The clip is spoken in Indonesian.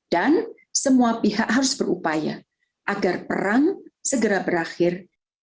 dan semua pihak harus berupaya agar perang segera berakhir